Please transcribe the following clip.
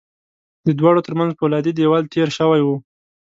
د دواړو ترمنځ پولادي دېوال تېر شوی و